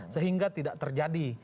sehingga tidak terjadi